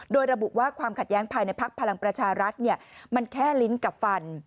โดยระบุว่าความขัดแย้งภายในพักพลังประชารัฐมันแค่ลิ้นกับฟัน